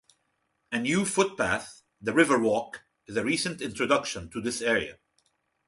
A new footpath, the River walk is a recent introduction to this area.